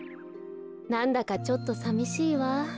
なんだかちょっとさみしいわ。